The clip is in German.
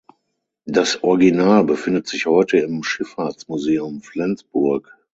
Das Original befindet sich heute im Schifffahrtsmuseum Flensburg.